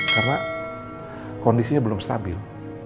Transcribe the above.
karena kondisinya belum stabil